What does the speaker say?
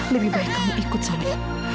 lebih baik kamu ikut sama ibu